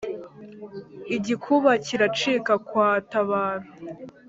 Igikuba kiracika kwa Tabaro